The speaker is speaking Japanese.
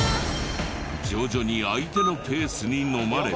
徐々に相手のペースにのまれ。